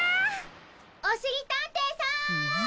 おしりたんていさん！